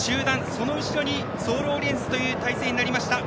その後ろにソールオリエンスという態勢になりました。